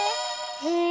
へえ